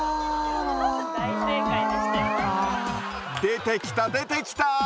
出てきた出てきた！